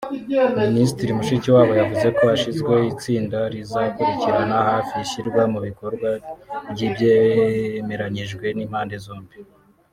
Minisitiri Mushikiwabo yavuze ko hashyizweho itsinda rizakurikiranira hafi ishyirwa mu bikorwa ry’ibyemeranyijwe n’impande zombi